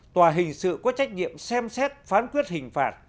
tòa hình sự có trách nhiệm xem xét phán quyết hình phạt